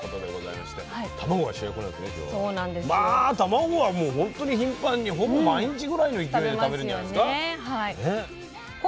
まあたまごはもうほんとに頻繁にほぼ毎日ぐらいの勢いで食べるんじゃないですか。